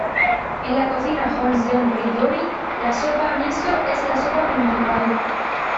En la cocina Honzen-ryōri la sopa miso es la sopa principal.